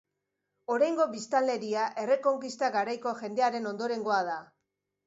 Oraingo biztanleria, Errekonkista garaiko jendearen ondorengoa da.